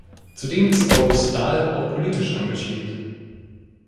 Zudem ist August Dahl auch politisch engagiert.